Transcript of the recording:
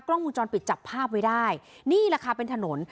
กล้องมูลจอลปิดจับภาพไว้ได้นี่แหละค่ะเป็นถนน